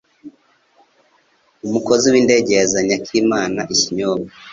Umukozi windege yazanye Akimana ikinyobwa.